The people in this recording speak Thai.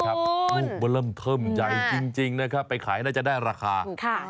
ลูกบะเริ่มเขิมใจจริงนะครับไปขายน่าจะได้ราคา